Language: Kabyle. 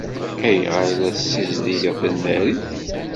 Ayɣer ay la tessizdigeḍ tanarit?